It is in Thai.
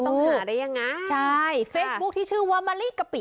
ต้องหาได้ยังไงใช่เฟซบุ๊คที่ชื่อว่ามะลิกะปิ